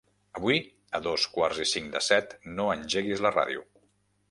Avui a dos quarts i cinc de set no engeguis la ràdio.